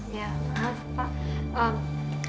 ya maaf pak